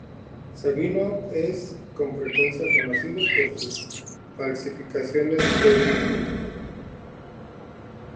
Sabino es, con frecuencia, conocido por sus falsificaciones de Ovidio.